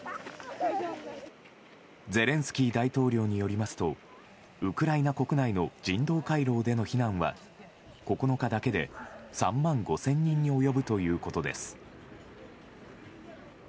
ゼレンスキー大統領によりますとウクライナ国内の人道回廊での避難は９日だけで３万５０００人に及ぶということです。